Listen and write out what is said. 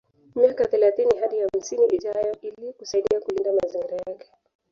Miaka thelathini hadi hamsini ijayo ili kusaidia kulinda mazingira yake